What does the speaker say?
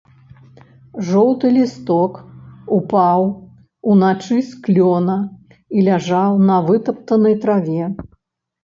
Жоўты лісток упаў уначы з клёна і ляжаў на вытаптанай траве.